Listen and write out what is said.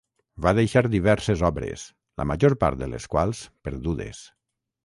Va deixar diverses obres, la major part de les quals perdudes.